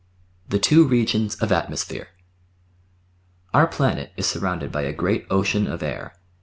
The Two Regions of Atmosphere Our planet is surrounded by a great ocean of air.